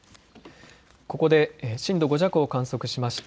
ここで震度５弱を観測しました。